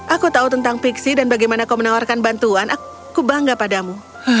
aku tahu tentang pixi dan bagaimana kau menawarkan bantuan aku bangga padamu